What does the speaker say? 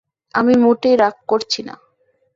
আমি মোটেই রাগ করছি না।